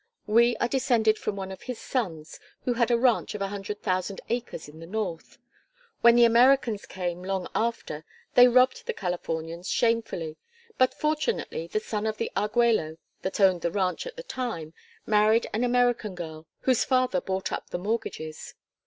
We are descended from one of his sons, who had a ranch of a hundred thousand acres in the south. When the Americans came, long after, they robbed the Californians shamefully, but fortunately the son of the Argüello that owned the ranch at the time married an American girl whose father bought up the mortgages.